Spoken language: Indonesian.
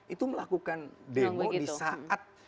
itu melakukan demo di saat